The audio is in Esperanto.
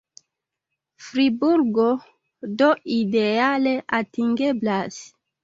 Friburgo do ideale atingeblas.